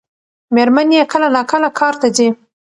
مېرمن یې کله ناکله کار ته ځي.